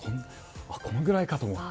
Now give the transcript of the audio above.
このぐらいかと思って。